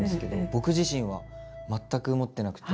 僕自身は全く持ってなくて。